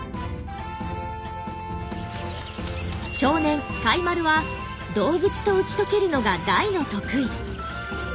少年かいまるは動物と打ち解けるのが大の得意。